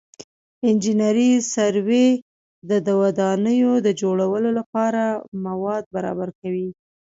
انجنیري سروې د ودانیو د جوړولو لپاره مواد برابر کوي